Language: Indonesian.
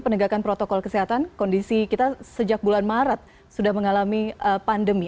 penegakan protokol kesehatan kondisi kita sejak bulan maret sudah mengalami pandemi